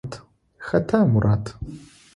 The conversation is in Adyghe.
Хэта Мурат?